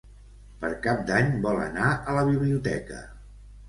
Per Cap d'Any vol anar a la biblioteca.